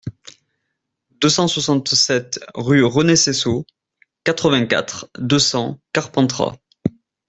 deux cent soixante-sept rue René Seyssaud, quatre-vingt-quatre, deux cents, Carpentras